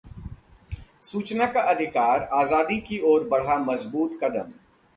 सूचना का अधिकार आजादी की ओर बढ़ा मजबूत कदम